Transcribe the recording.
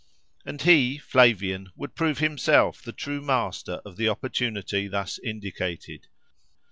And he, Flavian, would prove himself the true master of the opportunity thus indicated.